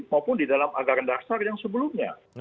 maupun di dalam anggaran dasar yang sebelumnya